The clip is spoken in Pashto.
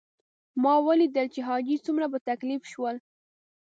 ما ولیدل چې حاجي څومره په تکلیف شول.